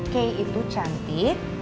kei itu cantik